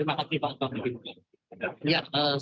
terima kasih pak pak menteri